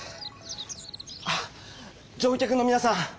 あっ乗客のみなさん！